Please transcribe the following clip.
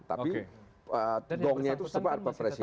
tapi doangnya itu semua adalah presiden